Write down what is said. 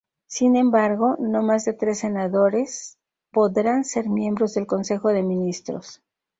Sin embargo, no más de tres senadores podrán ser miembros del Consejo de Ministros.